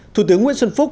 thủ tướng nguyễn xuân phúc